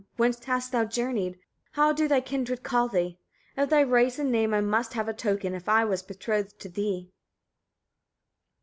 Whence hast thou journeyed? How do thy kindred call thee? Of thy race and name I must have a token, if I was betrothed to thee.